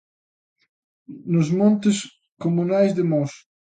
"Nos montes comunais de Mos".